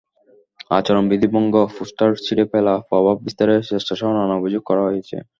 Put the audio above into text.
আচরণবিধি ভঙ্গ, পোস্টার ছিঁড়ে ফেলা, প্রভাব বিস্তারের চেষ্টাসহ নানা অভিযোগ করা হয়েছে।